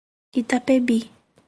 Itapebi